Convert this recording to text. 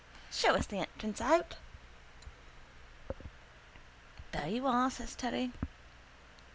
Show us the entrance out. —There you are, says Terry.